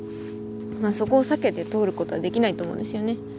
まあそこを避けて通ることはできないと思うんですよね。